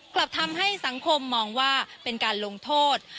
กลับทำให้สังคมมองว่าเป็นการลงโทษ